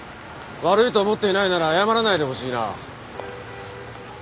悪いと思っていないなら謝らないでほしいな。